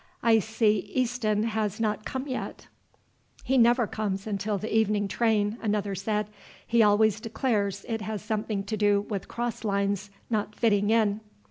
I see Easton has not come yet." "He never comes until the evening train," another said. "He always declares it has something to do with cross lines not fitting in."